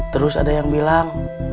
terus ada yang bilang